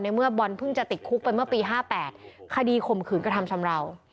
เมื่อบอลเพิ่งจะติดคุกไปเมื่อปี๕๘คดีข่มขืนกระทำชำราว